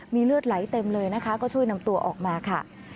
มีเลือดไหลเต็มเลยนะคะก็ช่วยนำตัวออกมาค่ะ